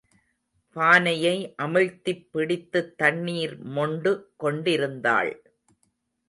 பானையை அமிழ்த்திப் பிடித்துத் தண்ணீர் மொண்டு கொண்டிருந்தாள்.